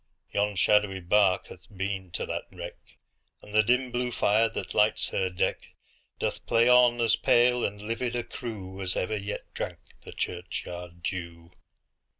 Yon shadowy bark hath been to that wreck, And the dim blue fire, that lights her deck, Doth play on as pale and livid a crewAs ever yet drank the churchyard dew.